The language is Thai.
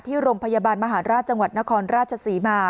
ที่โรงพยาบาลมหาราชจังหวัดนครราชศรีมา